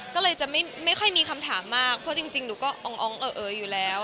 ก็เลยจะไม่ค่อยมีคำถามมากเพราะจริงหนูก็อองเอออยู่แล้ว